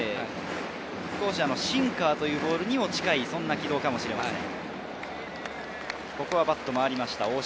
シンカーというボールにも近い軌道かもしれません。